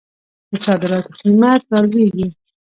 د صادراتو قیمت رالویږي.